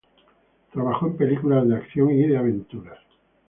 Trabajó en películas de acción y de aventuras.